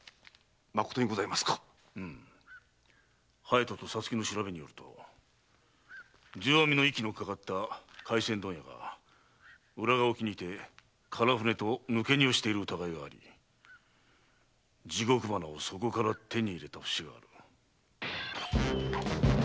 まことにございますか⁉うむ隼人と皐月の調べによると重阿弥の息のかかった廻船問屋が浦賀沖にて唐船と抜け荷をしている疑いがあり地獄花もそこから手に入れた節がある。